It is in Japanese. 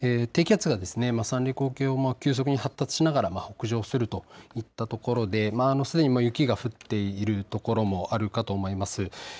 低気圧が三陸沖を急速に発達しながら北上するといったところですでに雪が降っている所もあるかと思います。